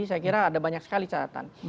saya kira ada banyak sekali catatan